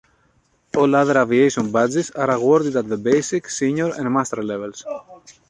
All other aviation badges are awarded at the basic, senior, and master levels.